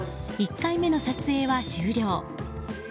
１回目の撮影は終了。